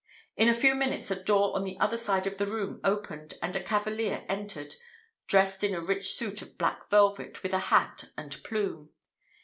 In a few minutes a door on the other side of the room opened, and a cavalier entered, dressed in a rich suit of black velvet, with a hat and plume.